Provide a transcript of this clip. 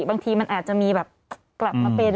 บางทีมันอาจจะมีแบบกลับมาเป็น